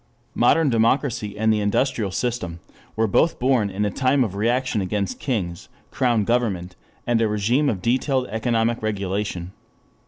Modern democracy and the industrial system were both born in a time of reaction against kings, crown government, and a regime of detailed economic regulation.